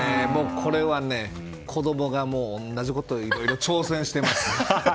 これは子供が同じことをいろいろ挑戦しています。